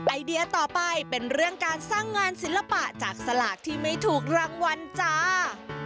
ไอเดียต่อไปเป็นเรื่องการสร้างงานศิลปะจากสลากที่ไม่ถูกรางวัลจ้า